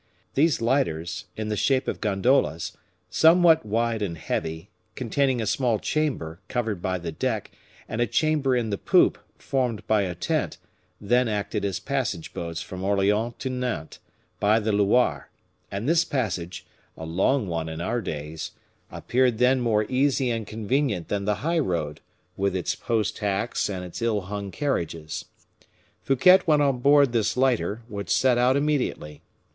These lighters, in the shape of gondolas, somewhat wide and heavy, containing a small chamber, covered by the deck, and a chamber in the poop, formed by a tent, then acted as passage boats from Orleans to Nantes, by the Loire, and this passage, a long one in our days, appeared then more easy and convenient than the high road, with its post hacks and its ill hung carriages. Fouquet went on board this lighter, which set out immediately.